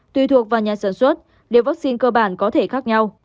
tùy thuộc vào nhà sản xuất liệu vaccine cơ bản có thể khác nhau